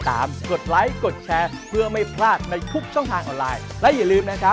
ตายคู่กรีดสักพักแม่กรีด